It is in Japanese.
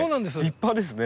立派ですね。